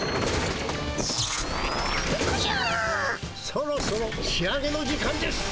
そろそろ仕上げの時間です。